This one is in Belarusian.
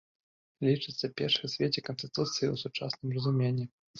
Лічыцца першай у свеце канстытуцыяй у сучасным разуменні.